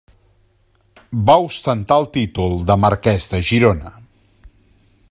Va ostentar en títol de Marquès de Girona.